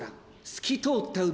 透き通った海！